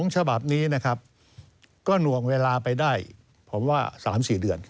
ฉบับนี้นะครับก็หน่วงเวลาไปได้ผมว่า๓๔เดือน